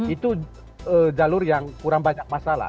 itu jalur yang kurang banyak masalah